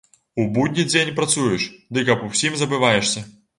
У будні дзень працуеш, дык аб усім забываешся.